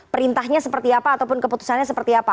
perintahnya seperti apa ataupun keputusannya seperti apa